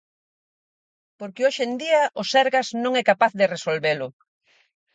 Porque hoxe en día o Sergas non é capaz de resolvelo.